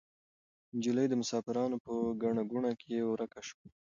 نجلۍ د مسافرانو په ګڼه ګوڼه کې ورکه شوه.